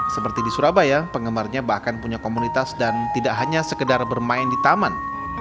seperti di surabaya penggemarnya bahkan punya komunitas dan tidak hanya sekedar bermain di taman